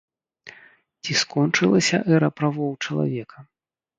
Ці скончылася эра правоў чалавека?